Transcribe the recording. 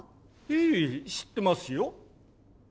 ええ知ってますよ。